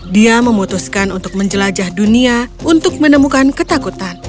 dia memutuskan untuk menjelajah dunia untuk menemukan ketakutan